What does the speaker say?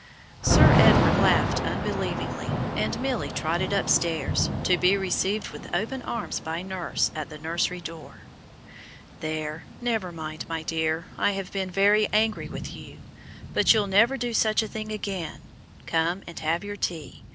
Sir Edward laughed unbelievingly, and Milly trotted upstairs to be received with open arms by nurse at the nursery door. "There! never mind, my dear. I have been very angry with you, but you'll never do such a thing again. Come and have your tea.